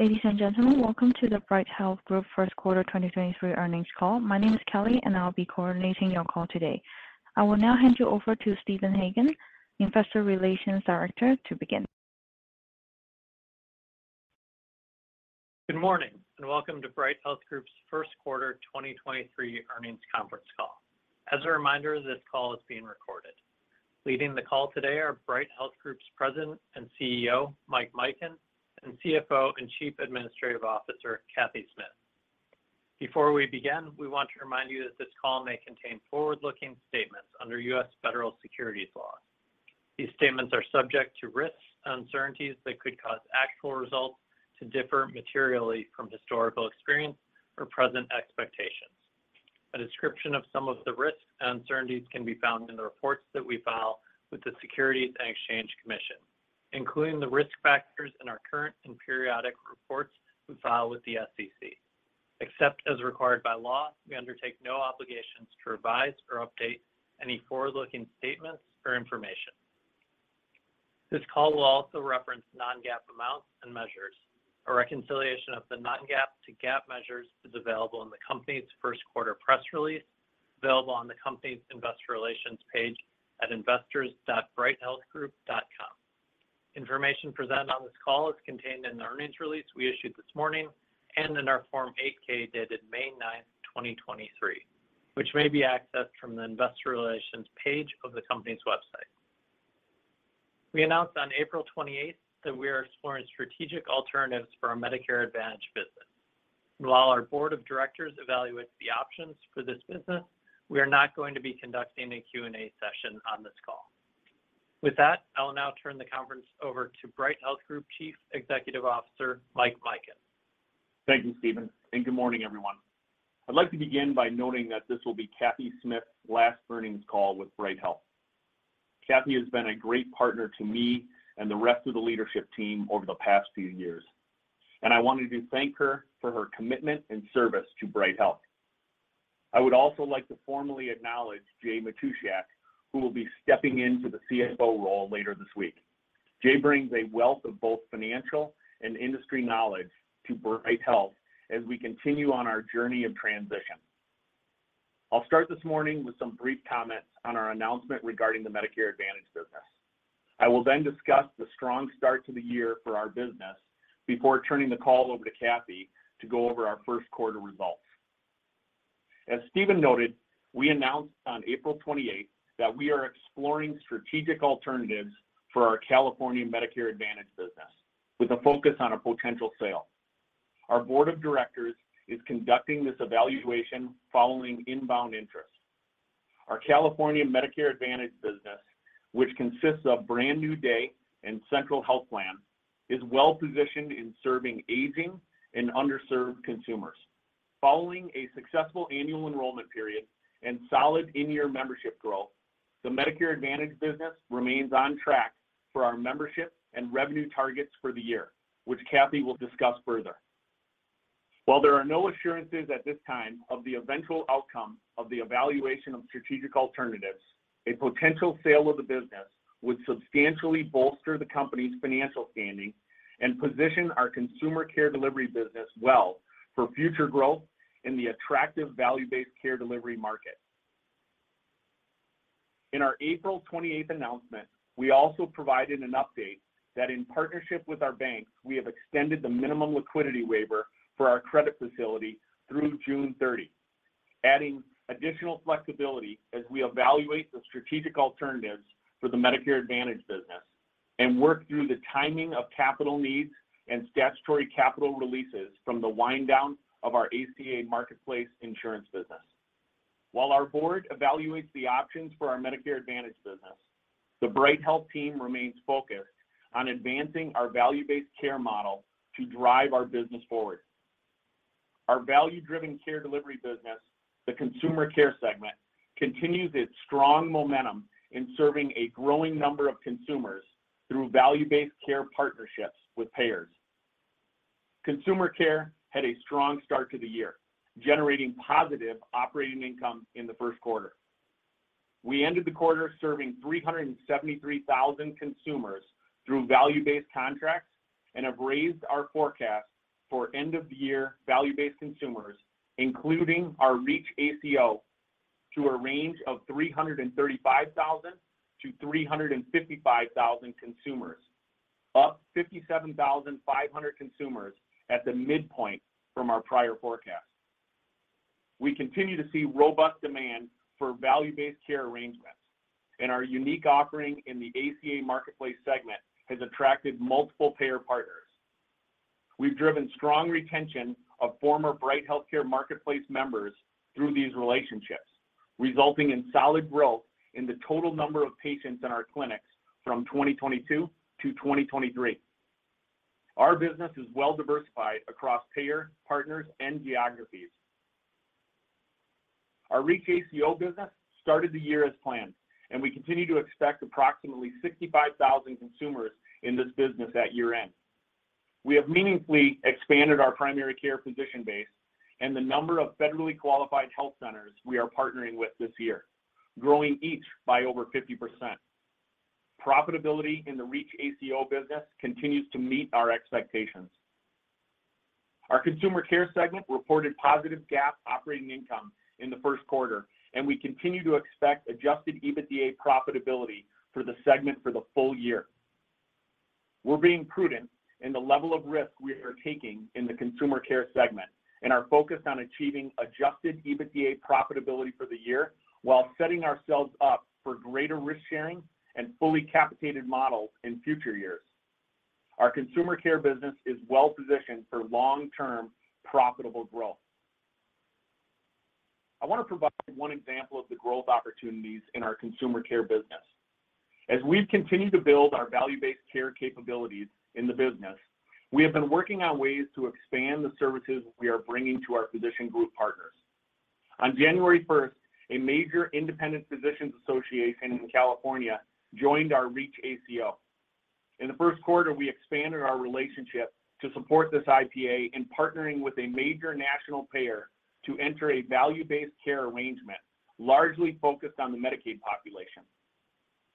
Ladies and gentlemen, welcome to the Bright Health Group First Quarter 2023 Earnings Call. My name is Kelly. I'll be coordinating your call today. I will now hand you over to Stephen Hagan, Investor Relations Director, to begin. Good morning, welcome to Bright Health Group's first quarter 2023 earnings conference call. As a reminder, this call is being recorded. Leading the call today are Bright Health Group's President and CEO, Mike Mikan, and CFO and Chief Administrative Officer, Cathy Smith. Before we begin, we want to remind you that this call may contain forward-looking statements under U.S. Federal Securities law. These statements are subject to risks and uncertainties that could cause actual results to differ materially from historical experience or present expectations. A description of some of the risks and uncertainties can be found in the reports that we file with the Securities and Exchange Commission, including the risk factors in our current and periodic reports we file with the SEC. Except as required by law, we undertake no obligations to revise or update any forward-looking statements or information. This call will also reference non-GAAP amounts and measures. A reconciliation of the non-GAAP to GAAP measures is available in the company's first quarter press release, available on the company's investor relations page at investors.brighthealthgroup.com. Information presented on this call is contained in the earnings release we issued this morning and in our Form 8-K dated May 9, 2023, which may be accessed from the investor relations page of the company's website. We announced on April 28 that we are exploring strategic alternatives for our Medicare Advantage business. While our board of directors evaluates the options for this business, we are not going to be conducting a Q&A session on this call. I will now turn the conference over to Bright Health Group Chief Executive Officer, Mike Mikan. Thank you, Stephen, and good morning, everyone. I'd like to begin by noting that this will be Cathy Smith's last earnings call with Bright Health. Cathy has been a great partner to me and the rest of the leadership team over the past few years, and I wanted to thank her for her commitment and service to Bright Health. I would also like to formally acknowledge Jay Matushak, who will be stepping into the CFO role later this week. Jay brings a wealth of both financial and industry knowledge to Bright Health as we continue on our journey of transition. I'll start this morning with some brief comments on our announcement regarding the Medicare Advantage business. I will then discuss the strong start to the year for our business before turning the call over to Cathy to go over our first quarter results. As Stephen noted, we announced on April 28th that we are exploring strategic alternatives for our California Medicare Advantage business with a focus on a potential sale. Our board of directors is conducting this evaluation following inbound interest. Our California Medicare Advantage business, which consists of Brand New Day and Central Health Plan, is well-positioned in serving aging and underserved consumers. Following a successful annual enrollment period and solid in-year membership growth, the Medicare Advantage business remains on track for our membership and revenue targets for the year, which Cathy will discuss further. While there are no assurances at this time of the eventual outcome of the evaluation of strategic alternatives, a potential sale of the business would substantially bolster the company's financial standing and position our Consumer Care delivery business well for future growth in the attractive value-based care delivery market. In our April 28th announcement, we also provided an update that in partnership with our banks, we have extended the minimum liquidity waiver for our credit facility through June 30, adding additional flexibility as we evaluate the strategic alternatives for the Medicare Advantage business and work through the timing of capital needs and statutory capital releases from the wind down of our ACA Marketplace insurance business. While our board evaluates the options for our Medicare Advantage business, the Bright Health team remains focused on advancing our value-based care model to drive our business forward. Our value-driven care delivery business, the Consumer Care segment, continues its strong momentum in serving a growing number of consumers through value-based care partnerships with payers. Consumer Care had a strong start to the year, generating positive operating income in the first quarter. We ended the quarter serving 373,000 consumers through value-based contracts and have raised our forecast for end of year value-based consumers, including our ACO REACH, to a range of 335,000-355,000 consumers, up 57,500 consumers at the midpoint from our prior forecast. We continue to see robust demand for value-based care arrangements. Our unique offering in the ACA Marketplace segment has attracted multiple payer partners. We've driven strong retention of former Bright HealthCare Marketplace members through these relationships, resulting in solid growth in the total number of patients in our clinics from 2022 to 2023. Our business is well-diversified across payer, partners, and geographies. Our ACO REACH business started the year as planned, and we continue to expect approximately 65,000 consumers in this business at year-end. We have meaningfully expanded our primary care physician base and the number of Federally Qualified Health Centers we are partnering with this year, growing each by over 50%. Profitability in the ACO REACH business continues to meet our expectations. Our Consumer Care segment reported positive GAAP operating income in the first quarter, and we continue to expect Adjusted EBITDA profitability for the segment for the full year. We're being prudent in the level of risk we are taking in the Consumer Care segment and are focused on achieving Adjusted EBITDA profitability for the year while setting ourselves up for greater risk sharing and fully capitated models in future years. Our Consumer Care business is well positioned for long-term profitable growth. I want to provide one example of the growth opportunities in our Consumer Care business. We've continued to build our value-based care capabilities in the business, we have been working on ways to expand the services we are bringing to our physician group partners. January 1st, a major independent physicians association in California joined our ACO REACH. The first quarter, we expanded our relationship to support this IPA in partnering with a major national payer to enter a value-based care arrangement, largely focused on the Medicaid population.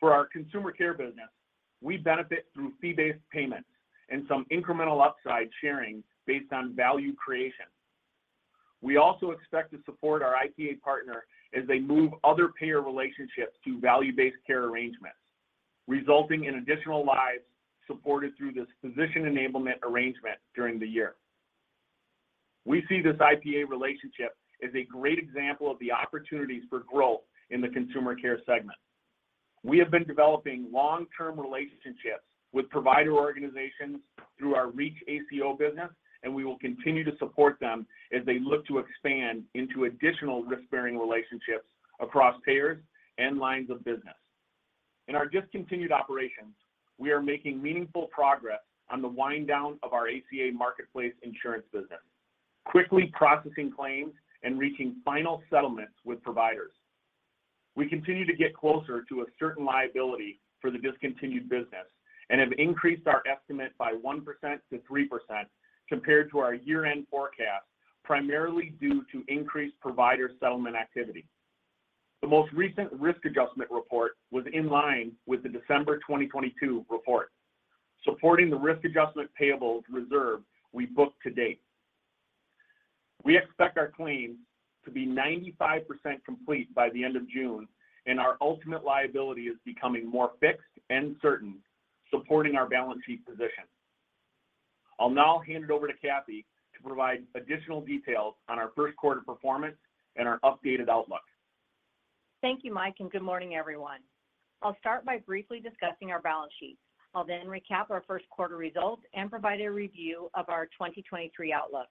Our Consumer Care business, we benefit through fee-based payments and some incremental upside sharing based on value creation. We also expect to support our IPA partner as they move other payer relationships to value-based care arrangements, resulting in additional lives supported through this physician enablement arrangement during the year. We see this IPA relationship as a great example of the opportunities for growth in the Consumer Care segment. We have been developing long-term relationships with provider organizations through our ACO REACH business, and we will continue to support them as they look to expand into additional risk-bearing relationships across payers and lines of business. In our discontinued operations, we are making meaningful progress on the wind-down of our ACA Marketplace insurance business, quickly processing claims and reaching final settlements with providers. We continue to get closer to a certain liability for the discontinued business and have increased our estimate by 1%-3% compared to our year-end forecast, primarily due to increased provider settlement activity. The most recent risk adjustment report was in line with the December 2022 report, supporting the risk adjustment payable reserve we booked to date. We expect our claims to be 95% complete by the end of June, and our ultimate liability is becoming more fixed and certain, supporting our balance sheet position. I'll now hand it over to Cathy to provide additional details on our first quarter performance and our updated outlook. Thank you, Mike. Good morning, everyone. I'll start by briefly discussing our balance sheet. I'll recap our first quarter results and provide a review of our 2023 outlook.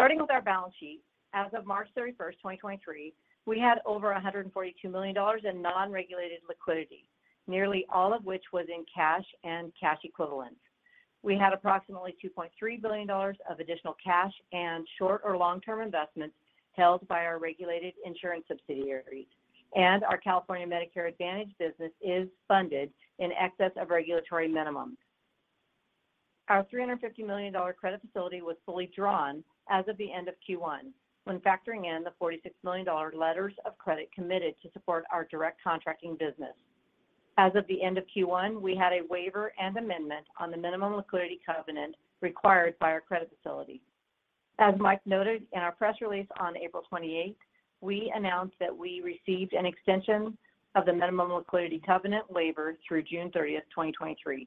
Starting with our balance sheet, as of March 31st, 2023, we had over $142 million in non-regulated liquidity, nearly all of which was in cash and cash equivalents. We had approximately $2.3 billion of additional cash and short or long-term investments held by our regulated insurance subsidiaries. Our California Medicare Advantage business is funded in excess of regulatory minimums. Our $350 million credit facility was fully drawn as of the end of Q1, when factoring in the $46 million letters of credit committed to support our Direct Contracting business. As of the end of Q1, we had a waiver and amendment on the minimum liquidity covenant required by our credit facility. As Mike noted in our press release on April 28th, we announced that we received an extension of the minimum liquidity covenant waiver through June 30th, 2023.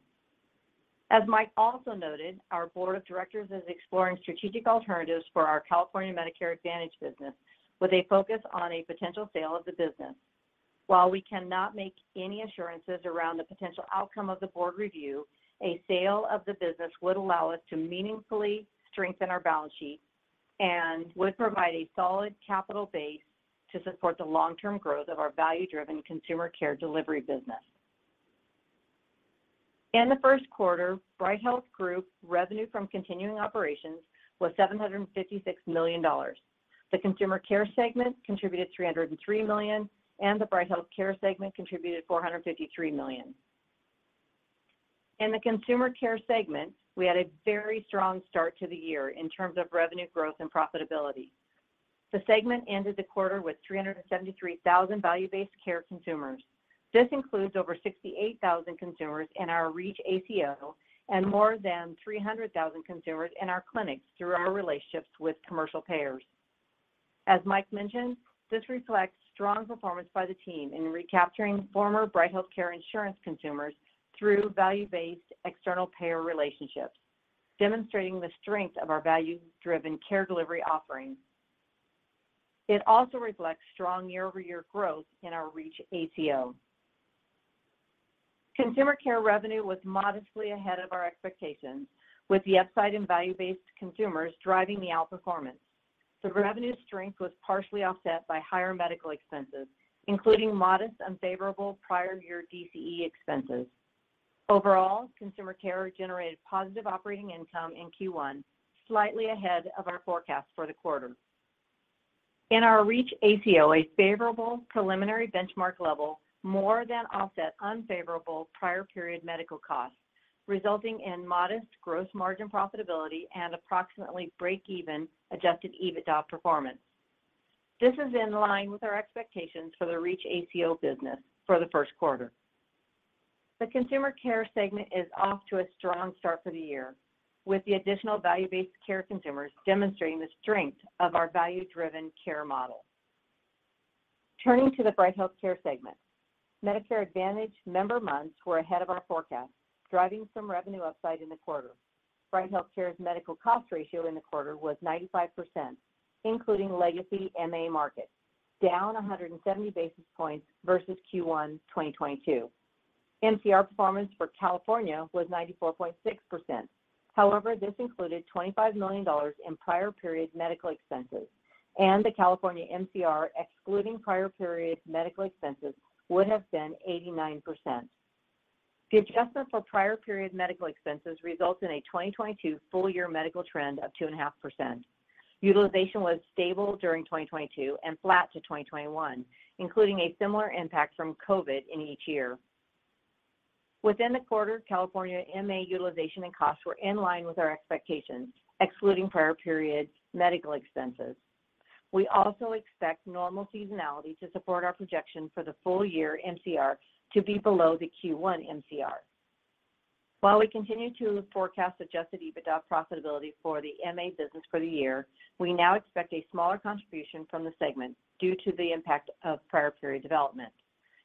As Mike also noted, our board of directors is exploring strategic alternatives for our California Medicare Advantage business with a focus on a potential sale of the business. While we cannot make any assurances around the potential outcome of the board review, a sale of the business would allow us to meaningfully strengthen our balance sheet and would provide a solid capital base to support the long-term growth of our value-driven Consumer Care delivery business. In the first quarter, Bright Health Group revenue from continuing operations was $756 million. The Consumer Care segment contributed $303 million, and the Bright HealthCare segment contributed $453 million. In the Consumer Care segment, we had a very strong start to the year in terms of revenue growth and profitability. The segment ended the quarter with 373,000 value-based care consumers. This includes over 68,000 consumers in our ACO REACH and more than 300,000 consumers in our clinics through our relationships with commercial payers. As Mike mentioned, this reflects strong performance by the team in recapturing former Bright HealthCare insurance consumers through value-based external payer relationships, demonstrating the strength of our value-driven care delivery offerings. It also reflects strong year-over-year growth in our ACO REACH. Consumer Care revenue was modestly ahead of our expectations, with the upside in value-based consumers driving the outperformance. The revenue strength was partially offset by higher medical expenses, including modest unfavorable prior year DCE expenses. Overall, Consumer Care generated positive operating income in Q1, slightly ahead of our forecast for the quarter. In our ACO REACH, a favorable preliminary benchmark level more than offset unfavorable prior period medical costs, resulting in modest gross margin profitability and approximately break even Adjusted EBITDA performance. This is in line with our expectations for the ACO REACH business for the first quarter. The Consumer Care segment is off to a strong start for the year, with the additional value-based care consumers demonstrating the strength of our value-driven care model. Turning to the Bright HealthCare segment. Medicare Advantage member months were ahead of our forecast, driving some revenue upside in the quarter. Bright HealthCare's medical cost ratio in the quarter was 95%, including legacy MA Marketplace, down 170 basis points versus Q1 2022. MCR performance for California was 94.6%. This included $25 million in prior period medical expenses, and the California MCR, excluding prior period medical expenses, would have been 89%. The adjustment for prior period medical expenses results in a 2022 full year medical trend of 2.5%. Utilization was stable during 2022 and flat to 2021, including a similar impact from COVID in each year. Within the quarter, California MA utilization and costs were in line with our expectations, excluding prior period medical expenses. We also expect normal seasonality to support our projection for the full year MCR to be below the Q1 MCR. While we continue to forecast Adjusted EBITDA profitability for the MA business for the year, we now expect a smaller contribution from the segment due to the impact of prior period development.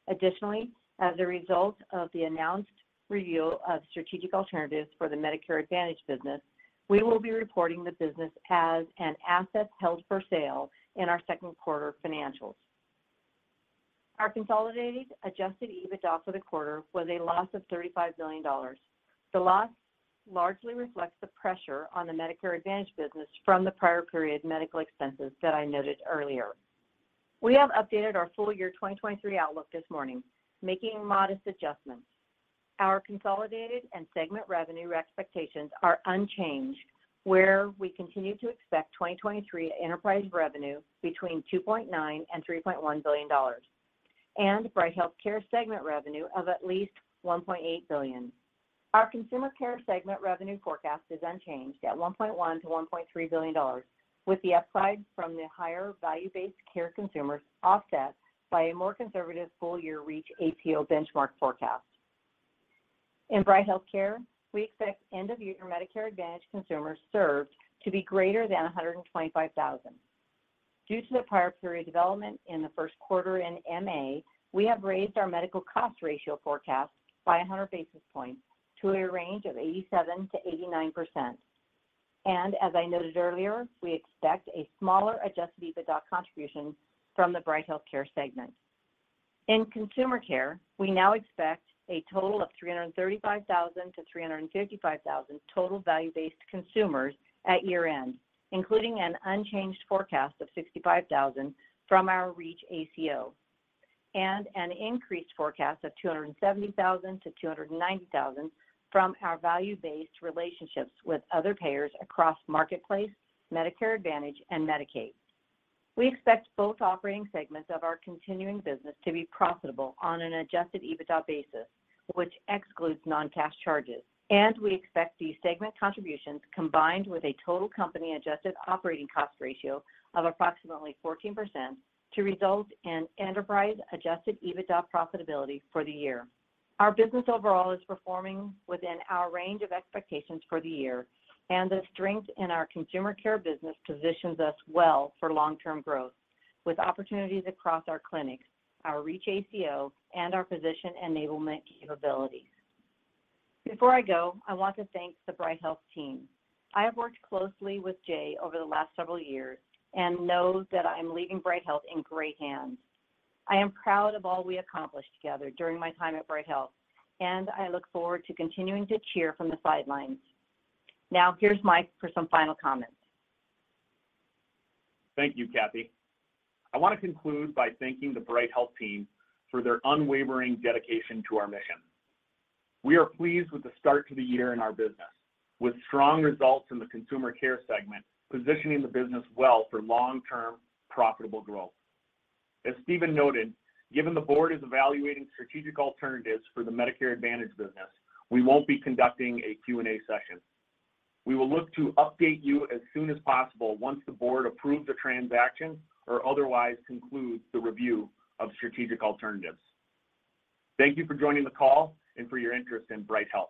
Additionally, as a result of the announced review of strategic alternatives for the Medicare Advantage business, we will be reporting the business as an assets held for sale in our second quarter financials. Our consolidated Adjusted EBITDA for the quarter was a loss of $35 billion. The loss largely reflects the pressure on the Medicare Advantage business from the prior period medical expenses that I noted earlier. We have updated our full year 2023 outlook this morning, making modest adjustments. Our consolidated and segment revenue expectations are unchanged, where we continue to expect 2023 enterprise revenue between $2.9 billion and $3.1 billion, and Bright HealthCare segment revenue of at least $1.8 billion. Our Consumer Care segment revenue forecast is unchanged at $1.1 billion-$1.3 billion, with the upside from the higher value-based care consumers offset by a more conservative full year ACO REACH benchmark forecast. In Bright HealthCare, we expect end of year Medicare Advantage consumers served to be greater than 125,000. Due to the prior period development in the first quarter in MA, we have raised our medical cost ratio forecast by 100 basis points to a range of 87%-89%. As I noted earlier, we expect a smaller Adjusted EBITDA contribution from the Bright HealthCare segment. In Consumer Care, we now expect a total of 335,000-355,000 total value-based consumers at year-end, including an unchanged forecast of 65,000 from our ACO REACH and an increased forecast of 270,000-290,000 from our value-based relationships with other payers across Marketplace, Medicare Advantage, and Medicaid. We expect both operating segments of our continuing business to be profitable on an Adjusted EBITDA basis, which excludes non-cash charges. We expect these segment contributions, combined with a total company adjusted operating cost ratio of approximately 14%, to result in enterprise-Adjusted EBITDA profitability for the year. Our business overall is performing within our range of expectations for the year, and the strength in our Consumer Care business positions us well for long-term growth with opportunities across our clinics, our ACO REACH, and our physician enablement capabilities. Before I go, I want to thank the Bright Health team. I have worked closely with Jay over the last several years and know that I'm leaving Bright Health in great hands. I am proud of all we accomplished together during my time at Bright Health, and I look forward to continuing to cheer from the sidelines. Now, here's Mike for some final comments. Thank you, Cathy. I want to conclude by thanking the Bright Health team for their unwavering dedication to our mission. We are pleased with the start to the year in our business, with strong results in the Consumer Care segment, positioning the business well for long-term profitable growth. As Stephen noted, given the board is evaluating strategic alternatives for the Medicare Advantage business, we won't be conducting a Q&A session. We will look to update you as soon as possible once the board approves a transaction or otherwise concludes the review of strategic alternatives. Thank you for joining the call and for your interest in Bright Health.